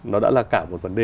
nó đã là cả một vấn đề